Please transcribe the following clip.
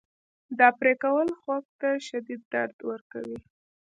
دا پرې کول خوک ته شدید درد ورکوي.